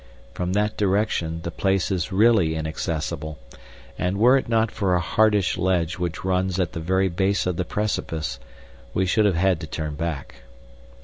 From that direction the place is really inaccessible, and, were it not for a hardish ledge which runs at the very base of the precipice, we should have had to turn back.